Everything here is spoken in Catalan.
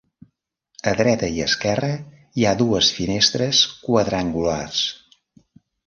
A dreta i esquerra hi ha dues finestres quadrangulars.